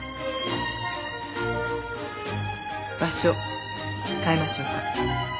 場所変えましょうか。